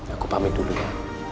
aku pamit dulu ya